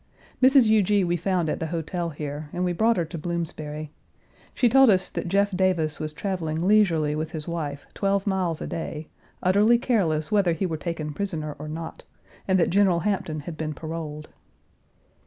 Mrs. Huger we found at the hotel here, and we brought her to Bloomsbury. She told us that Jeff Davis was traveling leisurely with his wife twelve miles a day, utterly careless whether he were taken prisoner or not, and that General Hampton had been paroled.